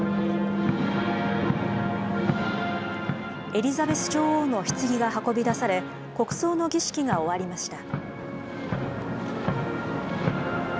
エリザベス女王のひつぎが運び出され国葬の儀式が終わりました。